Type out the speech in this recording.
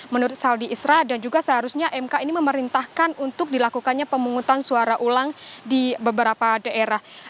menurut saldi isra dan juga seharusnya mk ini memerintahkan untuk dilakukannya pemungutan suara ulang di beberapa daerah